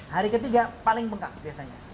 hari ke tiga paling bengkak biasanya